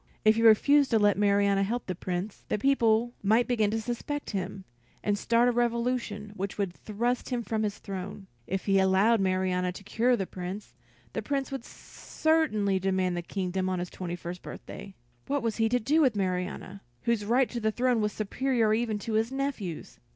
If he refused to let Marianna help the Prince, the people might begin to suspect him, and start a revolution which would thrust him from his throne; if he allowed Marianna to cure the Prince, the Prince would certainly demand the kingdom on his twenty first birthday. What was he to do with Marianna, whose right to the throne was superior even to his nephew's?